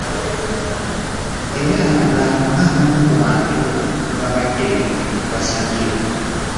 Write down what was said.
Era ng'abamu ku bantu bwe babadde basabye